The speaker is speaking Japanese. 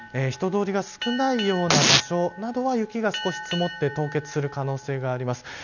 人通りが少ないような場所などは雪が少し積もって凍結する可能性があります。